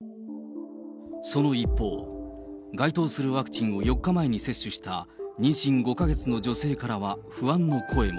その一方、該当するワクチンを４日前に接種した妊娠５か月の女性からは、不安の声も。